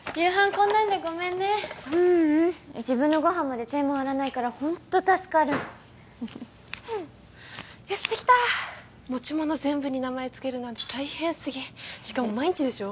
こんなんでごめんねううん自分のご飯まで手回らないからホント助かるよしできた持ち物全部に名前つけるなんて大変すぎしかも毎日でしょ？